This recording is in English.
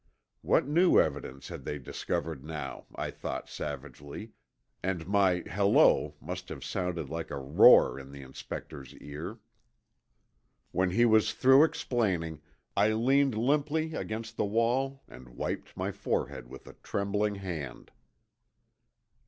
What new evidence had they discovered now, I thought savagely, and my "hello" must have sounded like a roar in the Inspector's ear. When he was through explaining I leaned limply against the wall and wiped my forehead with a trembling hand.